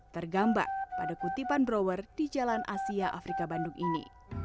tergambar pada kutipan brower di jalan asia afrika bandung ini